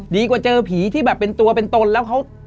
ดีกว่าเจอผีที่แบบเป็นตัวเป็นตนแล้วเขา